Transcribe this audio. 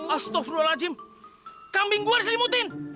astagfirullahaladzim kambing gue diselimutin